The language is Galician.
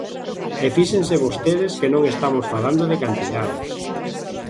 E fíxense vostedes que non estamos falando de cantidades.